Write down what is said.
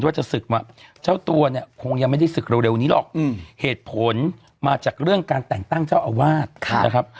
ว่าจะศึกว่าเจ้าตัวเนี่ยคงยังไม่ได้ศึกเร็วนี้หรอกเหตุผลมาจากเรื่องการแต่งตั้งเจ้าอาวาสนะครับ